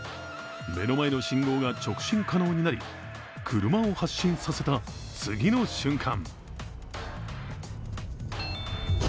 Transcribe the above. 目の前の信号が直進可能になり車を発進させた次の瞬間